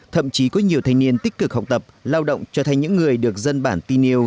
thậm chí có nhiều thanh niên tích cực học tập lao động trở thành những người được dân bản tin yêu